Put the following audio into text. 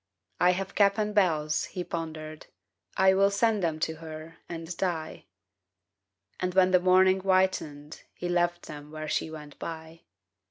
' I have cap and bells ' he pondered, ' I will send them to her and die; ' And when the morning whitened He left them where she went by.